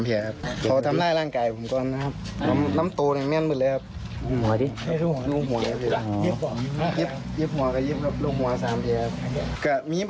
แล้วไปที่